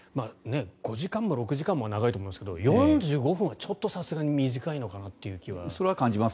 ５時間とか６時間は長いと思いますけれど４５分はちょっとさすがに短いのかなと。